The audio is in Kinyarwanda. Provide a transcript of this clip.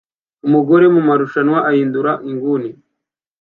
Umugore mumarushanwa ahindura inguni